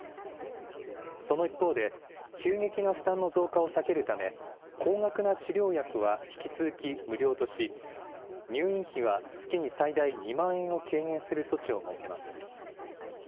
その一方で、急激な負担の増加を避けるため、高額な治療薬は引き続き無料とし、入院費は月に最大２万円を軽減する措置を設けます。